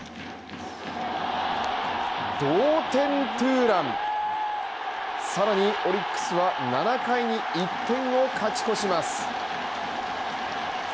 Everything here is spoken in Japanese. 同点ツーランさらにオリックスは７回に１点を勝ち越します。